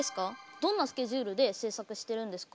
どんなスケジュールで製作してるんですか？